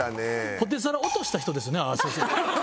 ポテサラ落とした人ですよね？